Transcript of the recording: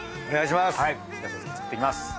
お願いします！